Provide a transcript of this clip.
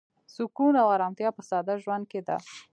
سکون او ارامتیا په ساده ژوند کې ده.